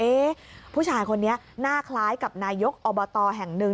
ผู้ชายคนนี้หน้าคล้ายกับนายกอบตแห่งหนึ่ง